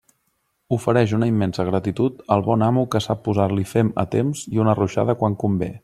Ofereix una immensa gratitud al bon amo que sap posar-li fem a temps i una ruixada quan convé.